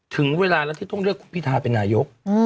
ถึงเวลาแล้วที่ต้องเลือกคุณพิทาเป็นนายก